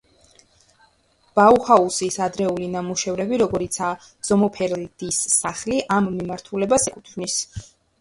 ბაუჰაუზის ადრეული ნამუშევრები, როგორიცაა ზომერფელდის სახლი, ამ მიმართულებას ეკუთვნის.